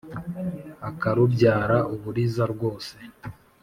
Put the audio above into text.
akarubyara uburiza, rwose